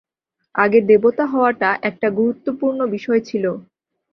আগে দেবতা হওয়াটা একটা গুরুত্বপূর্ণ বিষয় ছিল।